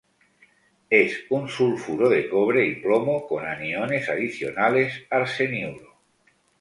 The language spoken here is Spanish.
Es un sulfuro de cobre y plomo con aniones adicionales arseniuro.